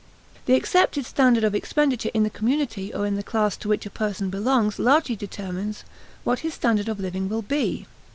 The accepted standard of expenditure in the community or in the class to which a person belongs largely determines what his standard of living will be.